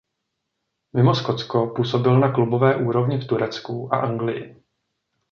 Mimo Skotsko působil na klubové úrovni v Turecku a Anglii.